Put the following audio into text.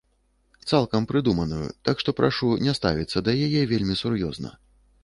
Цалкам прыдуманую, так што прашу не ставіцца да яе вельмі сур'ёзна.